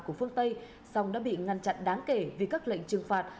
của phương tây song đã bị ngăn chặn đáng kể vì các lệnh trừng phạt